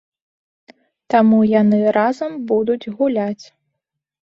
Таму яны разам будуць гуляць.